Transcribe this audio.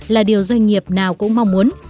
là điều doanh nghiệp nào cũng mong muốn